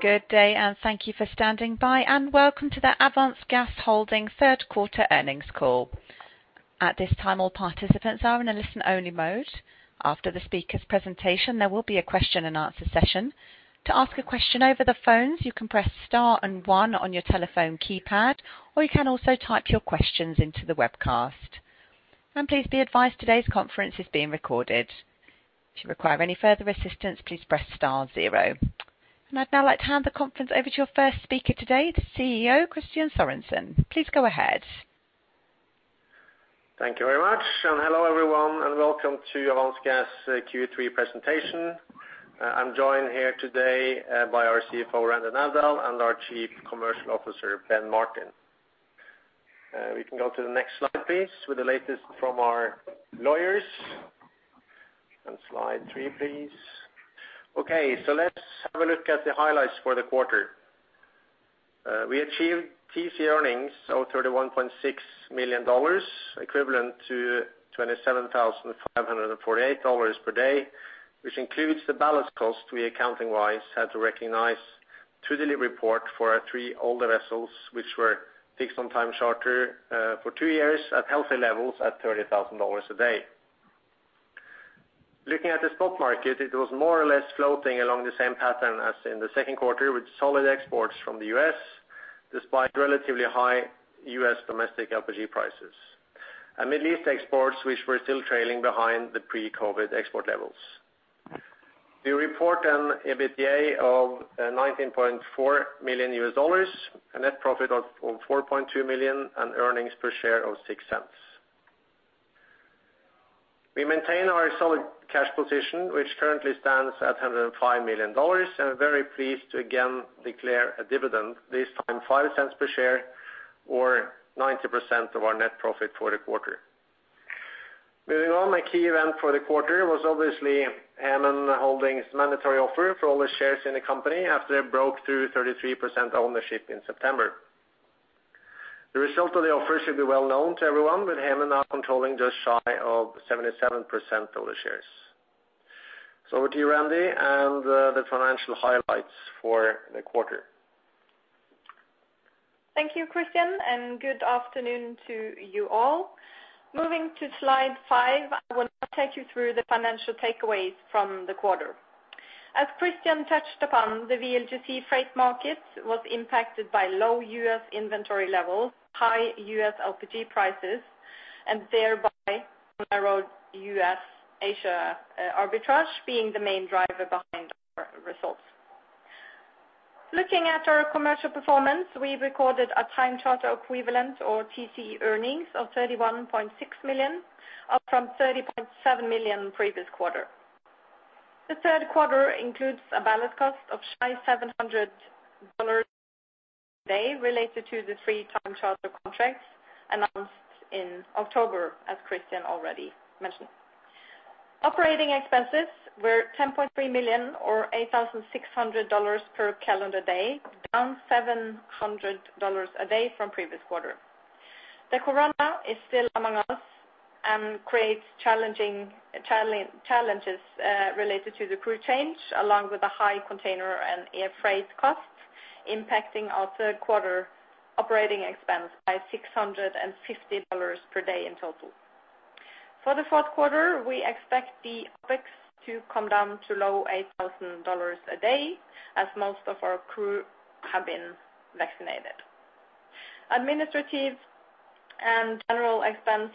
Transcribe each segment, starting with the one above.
Good day, and thank you for standing by, and welcome to the Avance Gas Holding Ltd third quarter earnings call. At this time, all participants are in a listen-only mode. After the speakers' presentation, there will be a question and answer session. To ask a question over the phones, you can press star and one on your telephone keypad, or you can also type your questions into the webcast. Please be advised today's conference is being recorded. If you require any further assistance, please press star zero. I'd now like to hand the conference over to your first speaker today, the CEO, Kristian Sørensen. Please go ahead. Thank you very much. Hello, everyone, and welcome to Avance Gas Q3 presentation. I'm joined here today by our CFO, Randi Navdal Bekkelund, and our Chief Commercial Officer, Ben Martin. We can go to the next slide, please, with the latest from our lawyers. Slide three, please. Okay, so let's have a look at the highlights for the quarter. We achieved TC earnings of $31.6 million, equivalent to $27,548 per day, which includes the ballast cost we accounting-wise had to recognize in the report for our three older vessels which were fixed on time charter for two years at healthy levels at $30,000 a day. Looking at the spot market, it was more or less floating along the same pattern as in the second quarter, with solid exports from the U.S., despite relatively high U.S. domestic LPG prices. Middle East exports, which were still trailing behind the pre-COVID export levels. We report an EBITDA of $19.4 million, a net profit of $4.2 million, and earnings per share of $0.06. We maintain our solid cash position, which currently stands at $105 million, and we are very pleased to again declare a dividend, this time $0.05 per share or 90% of our net profit for the quarter. Moving on, a key event for the quarter was obviously Hemen Holding Limited's mandatory offer for all the shares in the company after it broke through 33% ownership in September. The result of the offer should be well known to everyone, with Hemen now controlling just shy of 77% of the shares. Over to you, Randi, and the financial highlights for the quarter. Thank you, Kristian, and good afternoon to you all. Moving to slide five, I will now take you through the financial takeaways from the quarter. As Kristian touched upon, the VLGC freight market was impacted by low U.S. inventory levels, high U.S. LPG prices, and thereby narrowed U.S.-Asia arbitrage being the main driver behind our results. Looking at our commercial performance, we recorded a time charter equivalent or TC earnings of $31.6 million, up from $30.7 million previous quarter. The third quarter includes a ballast cost of $700 a day related to the three time-charter contracts announced in October, as Kristian already mentioned. Operating expenses were $10.3 million or $8,600 per calendar day, down $700 a day from previous quarter. The corona is still among us and creates challenges related to the crew change, along with the high container and air freight costs impacting our third quarter operating expense by $650 per day in total. For the fourth quarter, we expect the OpEx to come down to low $8,000 a day as most of our crew have been vaccinated. Administrative and general expense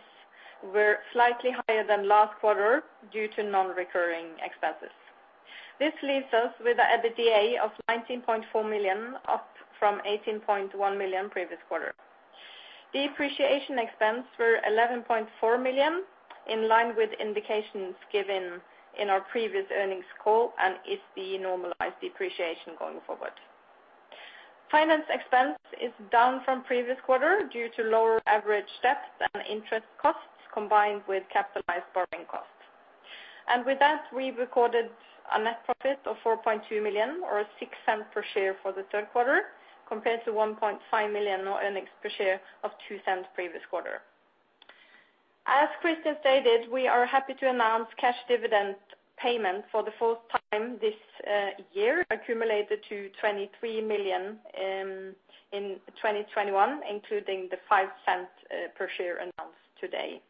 were slightly higher than last quarter due to non-recurring expenses. This leaves us with an EBITDA of $19.4 million, up from $18.1 million previous quarter. Depreciation expense were $11.4 million, in line with indications given in our previous earnings call and is the normalized depreciation going forward. Finance expense is down from previous quarter due to lower average debt and interest costs combined with capitalized borrowing costs. With that, we recorded a net profit of $4.2 million or $0.06 per share for the third quarter, compared to $1.5 million or earnings per share of $0.02 previous quarter. As Kristian stated, we are happy to announce cash dividend payment for the fourth time this year, accumulated to $23 million in 2021, including the $0.05 per share announced today.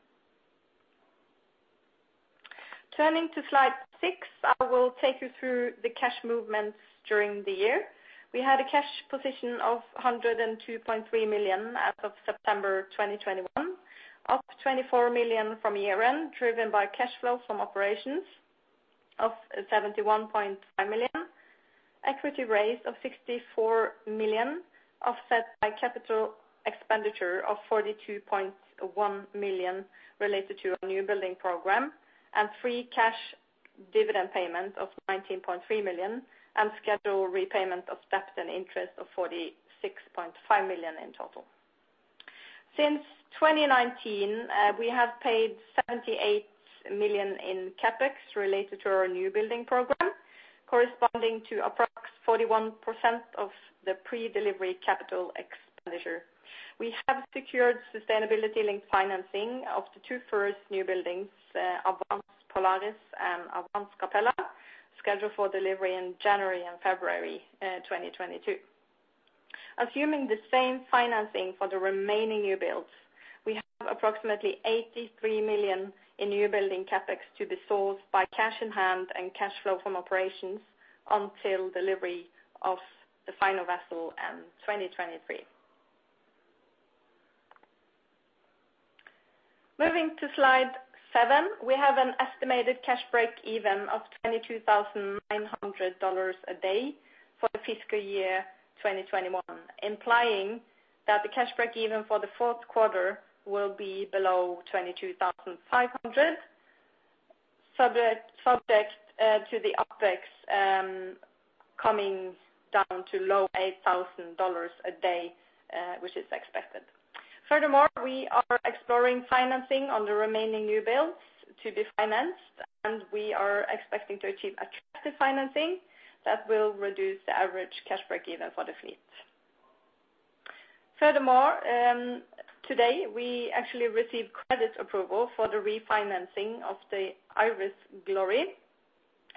Turning to slide six, I will take you through the cash movements during the year. We had a cash position of $102.3 million as of September 2021, up $24 million from year-end, driven by cash flow from operations of $71.5 million, equity raise of $64 million, offset by capital expenditure of $42.1 million related to our newbuilding program and the three cash dividend payments of $19.3 million and scheduled repayment of debt and interest of $46.5 million in total. Since 2019, we have paid $78 million in CapEx related to our newbuilding program, corresponding to approximately 41% of the pre-delivery capital expenditure. We have secured sustainability linked financing of the two first newbuildings, Avance Polaris and Avance Capella, scheduled for delivery in January and February 2022. Assuming the same financing for the remaining newbuilds, we have approximately $83 million in newbuilding CapEx to be sourced by cash in hand and cash flow from operations until delivery of the final vessel in 2023. Moving to slide seven. We have an estimated cash breakeven of $22,900 a day for the fiscal year 2021, implying that the cash breakeven for the fourth quarter will be below $22,500 to the OpEx coming down to low $8,000 a day, which is expected. Furthermore, we are exploring financing on the remaining newbuilds to be financed, and we are expecting to achieve attractive financing that will reduce the average cash breakeven for the fleet. Furthermore, today we actually received credit approval for the refinancing of the Iris Glory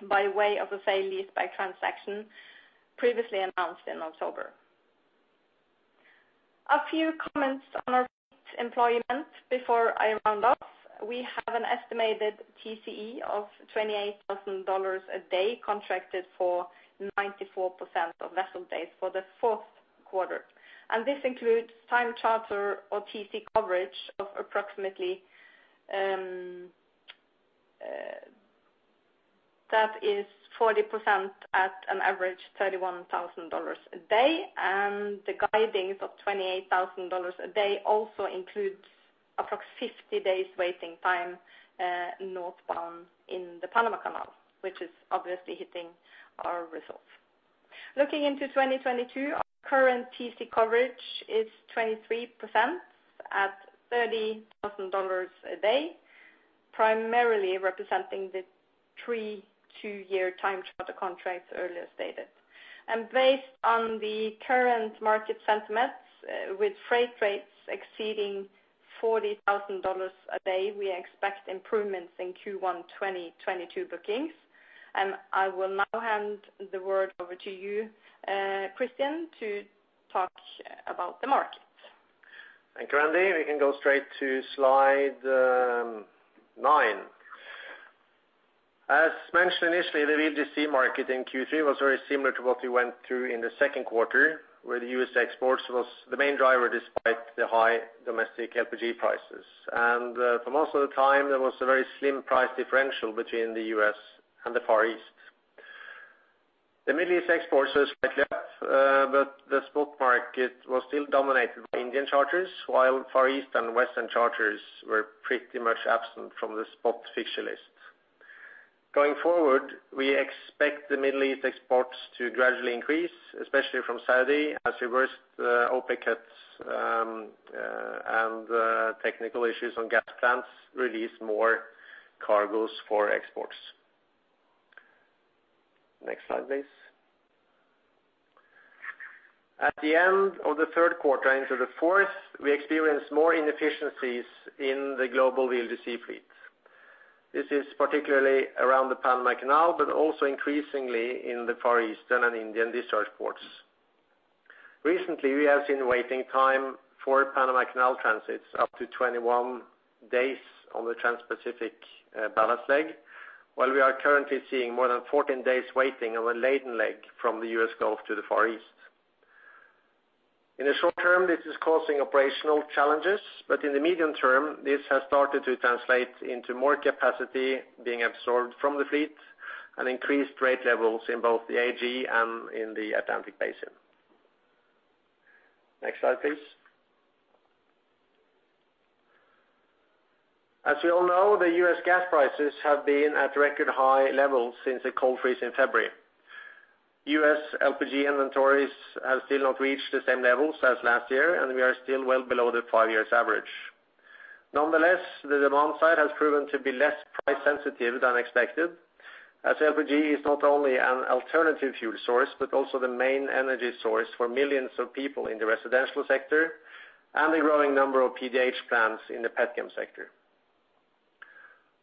by way of a sale-leaseback transaction previously announced in October. A few comments on our fleet employment before I round off. We have an estimated TCE of $28,000 a day contracted for 94% of vessel days for the fourth quarter. This includes time charter or TC coverage of approximately, that is 40% at an average $31,000 a day. The guidance of $28,000 a day also includes approximately 50 days waiting time, northbound in the Panama Canal, which is obviously hitting our results. Looking into 2022, our current TC coverage is 23% at $30,000 a day, primarily representing the three two-year time-charter contracts earlier stated. Based on the current market sentiments, with freight rates exceeding $40,000 a day, we expect improvements in Q1 2022 bookings. I will now hand the word over to you, Kristian, to talk about the market. Thank you, Randi. We can go straight to slide nine. As mentioned initially, the VLGC market in Q3 was very similar to what we went through in the second quarter, where the U.S. exports was the main driver despite the high domestic LPG prices. For most of the time, there was a very slim price differential between the U.S. and the Far East. The Middle East exports was slightly up, but the spot market was still dominated by Indian charters, while Far East and Western charters were pretty much absent from the spot fixture list. Going forward, we expect the Middle East exports to gradually increase, especially from Saudi as reversed OPEC cuts and technical issues on gas plants release more cargoes for exports. Next slide, please. At the end of the third quarter into the fourth, we experienced more inefficiencies in the global VLGC fleet. This is particularly around the Panama Canal, but also increasingly in the Far Eastern and Indian discharge ports. Recently, we have seen waiting time for Panama Canal transits up to 21 days on the transpacific ballast leg, while we are currently seeing more than 14 days waiting on the laden leg from the U.S. Gulf to the Far East. In the short term, this is causing operational challenges, but in the medium term, this has started to translate into more capacity being absorbed from the fleet and increased rate levels in both the AG and in the Atlantic Basin. Next slide, please. As you all know, the U.S. gas prices have been at record high levels since the cold freeze in February. U.S. LPG inventories have still not reached the same levels as last year, and we are still well below the five-year average. Nonetheless, the demand side has proven to be less price sensitive than expected, as LPG is not only an alternative fuel source, but also the main energy source for millions of people in the residential sector and a growing number of PDH plants in the petchem sector.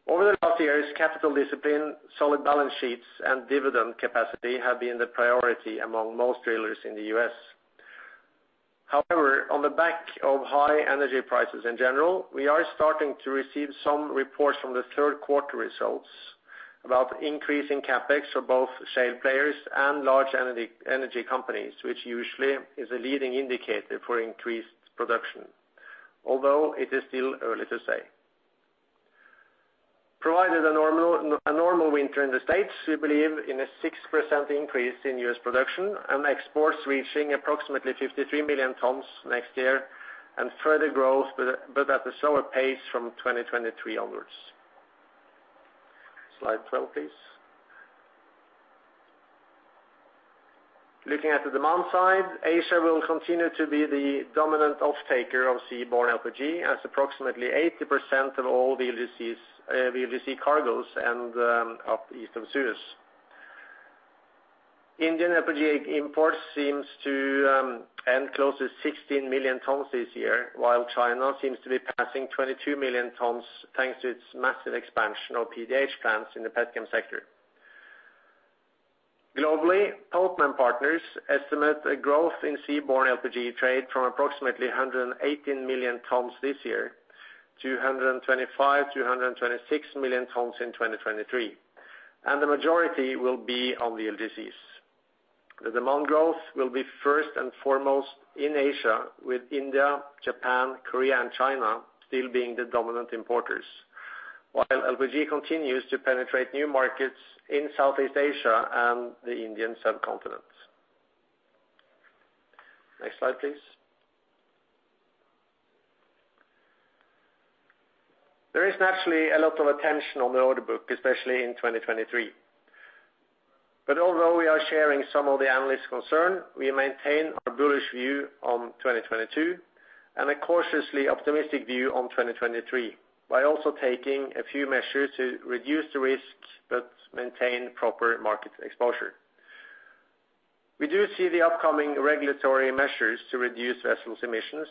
Over the last years, capital discipline, solid balance sheets and dividend capacity have been the priority among most drillers in the U.S. However, on the back of high energy prices in general, we are starting to receive some reports from the third quarter results about increasing CapEx for both shale players and large energy companies, which usually is a leading indicator for increased production, although it is still early to say. Provided a normal winter in the States, we believe in a 6% increase in U.S. production and exports reaching approximately 53 million tons next year and further growth but at a slower pace from 2023 onwards. Slide 12, please. Looking at the demand side, Asia will continue to be the dominant off-taker of seaborne LPG as approximately 80% of all VLGC cargoes up East of Suez. Indian LPG imports seems to end close to 16 million tons this year, while China seems to be passing 22 million tons, thanks to its massive expansion of PDH plants in the petrochemical sector. Globally, Poten & Partners estimate a growth in seaborne LPG trade from approximately 118 million tons this year to 125 million-126 million tons in 2023. The majority will be on the VLGCs. The demand growth will be first and foremost in Asia, with India, Japan, Korea, and China still being the dominant importers. While LPG continues to penetrate new markets in Southeast Asia and the Indian subcontinent. Next slide, please. There is naturally a lot of attention on the order book, especially in 2023. Although we are sharing some of the analysts' concern, we maintain our bullish view on 2022 and a cautiously optimistic view on 2023, by also taking a few measures to reduce the risk but maintain proper market exposure. We do see the upcoming regulatory measures to reduce vessels emissions,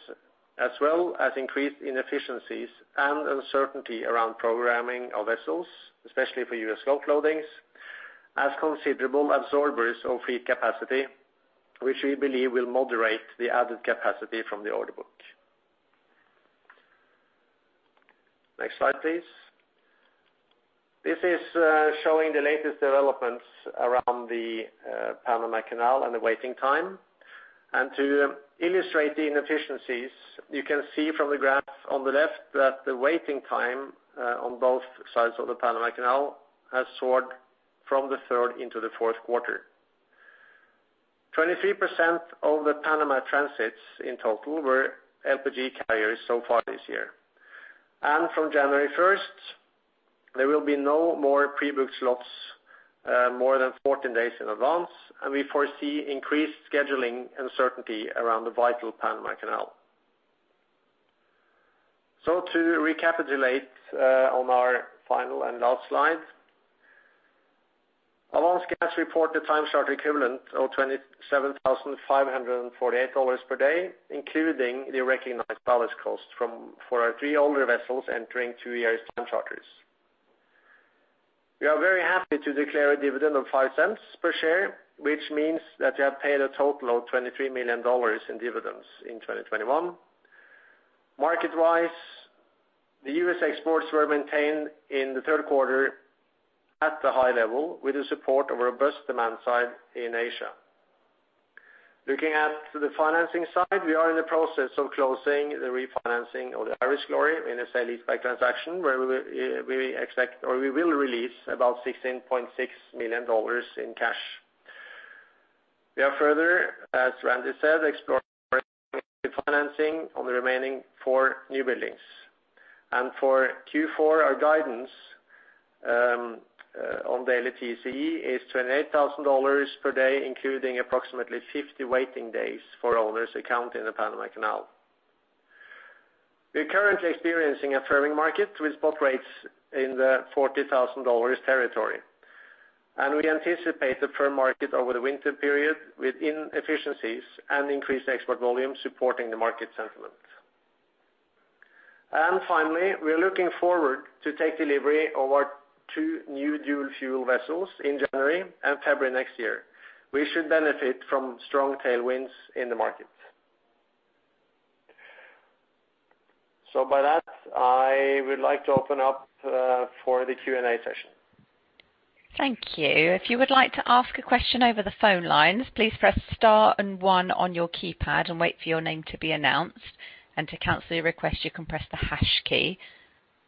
as well as increased inefficiencies and uncertainty around programming of vessels, especially for U.S. Gulf loadings, as considerable absorbers of fleet capacity, which we believe will moderate the added capacity from the order book. Next slide, please. This is showing the latest developments around the Panama Canal and the waiting time. To illustrate the inefficiencies, you can see from the graph on the left that the waiting time on both sides of the Panama Canal has soared from Q3 into Q4. 23% of the Panama transits in total were LPG carriers so far this year. From January 1st, there will be no more pre-booked slots more than 14 days in advance, and we foresee increased scheduling uncertainty around the vital Panama Canal. To recapitulate on our final and last slide. Avance Gas report the time charter equivalent of $27,548 per day, including the recognized ballast costs for our three older vessels entering two years time charters. We are very happy to declare a dividend of $0.05 per share, which means that we have paid a total of $23 million in dividends in 2021. Market-wise, the U.S. exports were maintained in the third quarter at the high level with the support of a robust demand side in Asia. Looking at the financing side, we are in the process of closing the refinancing of the Iris Glory in a sale-leaseback transaction, where we expect or we will release about $16.6 million in cash. We are further, as Randi said, exploring refinancing on the remaining four newbuildings. For Q4, our guidance on daily TCE is $28,000 per day, including approximately 50 waiting days for owner's account in the Panama Canal. We are currently experiencing a firming market with spot rates in the $40,000 territory. We anticipate a firm market over the winter period with inefficiencies and increased export volume supporting the market sentiment. Finally, we are looking forward to take delivery of our two new dual-fuel vessels in January and February next year. We should benefit from strong tailwinds in the market. By that, I would like to open up for the Q&A session. Thank you. If you would like to ask a question over the phone lines, please press star and one on your keypad and wait for your name to be announced. To cancel your request, you can press the hash key.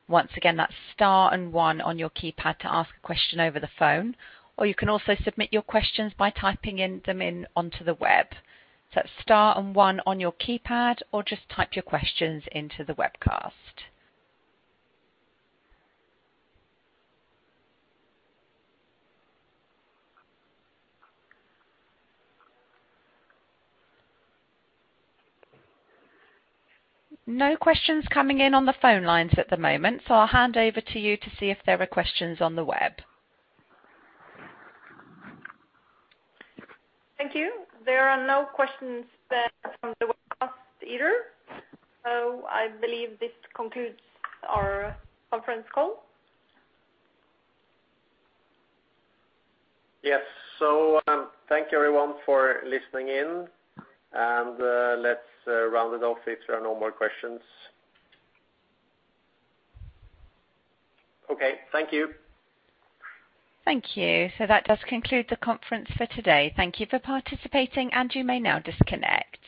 Once again, that's star and one on your keypad to ask a question over the phone. You can also submit your questions by typing in them in onto the web. Star and one on your keypad, or just type your questions into the webcast. No questions coming in on the phone lines at the moment, so I'll hand over to you to see if there are questions on the web. Thank you. There are no questions there from the webcast either. I believe this concludes our conference call. Yes. Thank you everyone for listening in. Let's round it off if there are no more questions. Okay. Thank you. Thank you. That does conclude the conference for today. Thank you for participating, and you may now disconnect.